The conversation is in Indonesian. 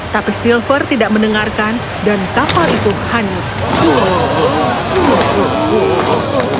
tapi silver tidak mendengarkan dan kapal itu hanyut